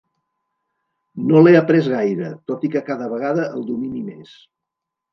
No l’he après gaire, tot i que cada vegada el domini més.